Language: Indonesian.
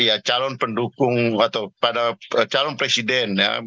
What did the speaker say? ya calon pendukung atau pada calon presiden ya